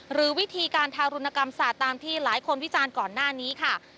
หรือวิธีการทารุณกรรมศาสตร์ตามที่หลายคนวิจารณ์ก่อนหน้านี้ค่ะ